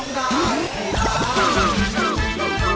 ร้องได้ให้ร้าน